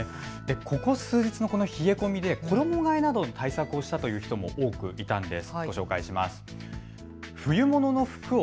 ここ数日の冷え込みで衣がえなど対策をしたという人も多くいたんです。